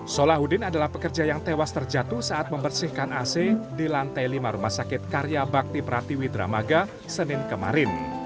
solahuddin adalah pekerja yang tewas terjatuh saat membersihkan ac di lantai lima rumah sakit karya bakti pratiwi dramaga senin kemarin